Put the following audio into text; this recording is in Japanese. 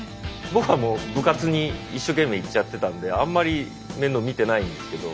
僕はもう部活に一生懸命行っちゃってたんであんまり面倒見てないんですけど。